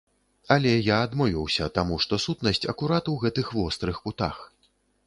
Але я адмовіўся, таму што сутнасць акурат у гэтых вострых кутах.